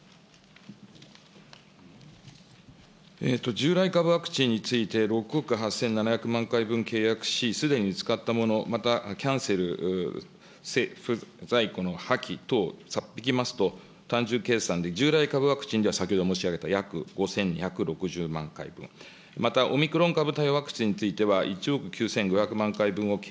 従来株ワクチンについて、６億８７００万回分契約し、すでに使ったもの、またキャンセル、在庫の破棄等を差っ引きますと、単純計算で従来株ワクチンでは先ほど申し上げた約５２６０万回分、またオミクロン株対応ワクチンについては１億９５００万回分を契